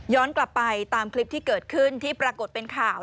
กลับไปตามคลิปที่เกิดขึ้นที่ปรากฏเป็นข่าว